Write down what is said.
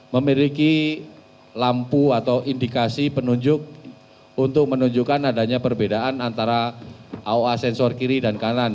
memiliki lampu atau indikasi penunjuk untuk menunjukkan adanya perbedaan antara aoa sensor kiri dan kanan